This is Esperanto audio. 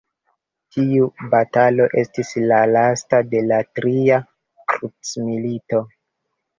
Tiu batalo estis la lasta de la tria krucmilito.